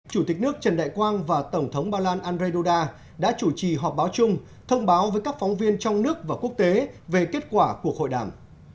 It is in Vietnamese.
chủ tịch nước trần đại quang và tổng thống ba lan andrzej duda đã chủ trì họp báo chung thông báo với các phóng viên trong nước và quốc tế về kết quả cuộc hội đàm